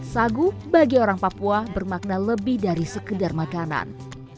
sagu bagi orang papua bermakna lebih dari sekedar makanan